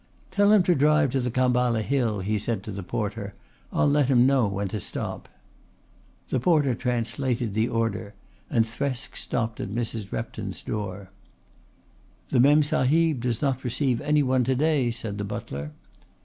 "Tell him to drive to the Khamballa Hill," he said to the porter. "I'll let him know when to stop." The porter translated the order and Thresk stopped him at Mrs. Repton's door. "The Memsahib does not receive any one to day," said the butler.